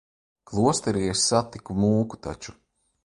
Klosterī es satiku mūku taču.